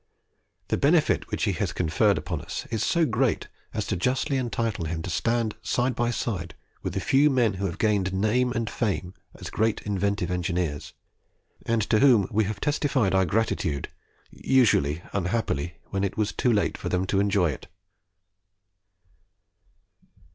The benefit which he has conferred upon us is so great as to justly entitle him to stand side by side with the few men who have gained name and fame as great inventive engineers, and to whom we have testified our gratitude usually, unhappily, when it was too late for them to enjoy it."